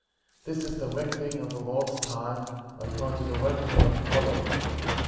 This is the reck oning of the Lord's time, according to the reckoning of Kolob.* 5.